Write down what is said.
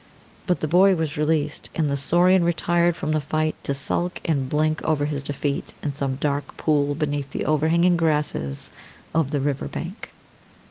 But the boy was released, and the saurian retired from the fight to sulk and blink over his defeat in some dark pool beneath the overhanging grasses of the river bank.